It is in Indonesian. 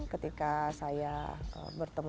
ketika saya bertemu